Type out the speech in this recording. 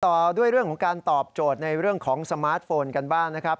ต่อด้วยเรื่องของการตอบโจทย์ในเรื่องของสมาร์ทโฟนกันบ้างนะครับ